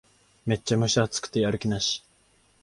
めっちゃ蒸し暑くてやる気なし